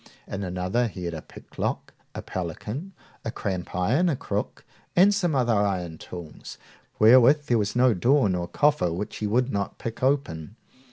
In another he had a picklock, a pelican, a crampiron, a crook, and some other iron tools, wherewith there was no door nor coffer which he would not pick open.